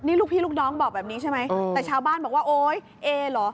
นี่ลูกพี่ลูกน้องบอกแบบนี้ใช่ไหมแต่ชาวบ้านบอกว่าโอ๊ยเอเหรอ